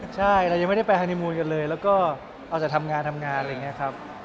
ใช่เรายังไม่ได้ไปฮานีมูลกันเลยแล้วก็เอาแต่ทำงานทำงานอะไรอย่างนี้ครับ